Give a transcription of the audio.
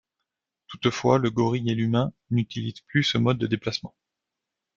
Toutefois, le gorille et l'humain n'utilisent plus ce mode de déplacement.